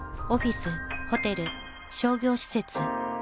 オフィスホテル商業施設。